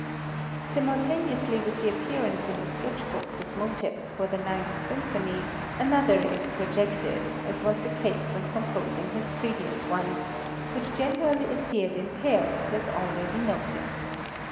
Simultaneously with the appearance in the sketch books of motives for the Ninth Symphony, another is projected, as was the case when composing his previous ones, which generally appeared in pairs, as already noted.